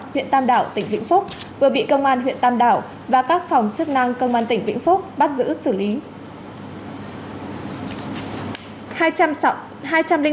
huyện tam đảo tỉnh vĩnh phúc vừa bị công an huyện tam đảo và các phòng chức năng công an tỉnh vĩnh phúc bắt giữ xử lý